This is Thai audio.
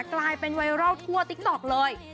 กลายเป็นไวรัลทั่วติ๊กต๊อกเลย